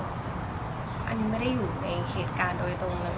อันนี้ไม่ได้อยู่ในเหตุการณ์โดยตรงเลย